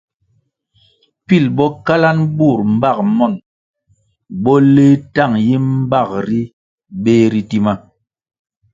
Pil bo kalanʼ bur mbag monʼ, bo leh tang yi mbag ri beh ri tima.